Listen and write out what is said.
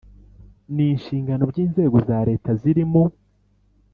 N inshingano by inzego za leta ziri mu